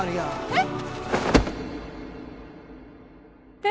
えっ！？